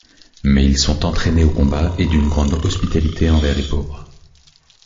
Mais ils sont entraînés au combat et d'une grande hospitalité envers les pauvres.